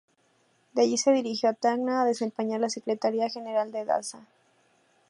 De allí se dirigió a Tacna a desempeñar la secretaría general de Daza.